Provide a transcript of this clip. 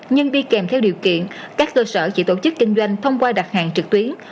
nhưng đi kèm theo điều kiện các cơ sở chỉ tổ chức kinh doanh thông qua đặt hàng trực tuyến